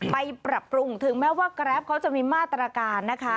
ปรับปรุงถึงแม้ว่าแกรปเขาจะมีมาตรการนะคะ